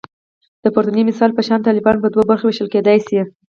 د پورتني مثال په شان طالبان په دوو برخو ویشل کېدای شي